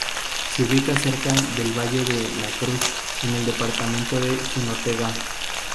Se ubica cerca del Valle de "La Cruz" en el departamento de Jinotega.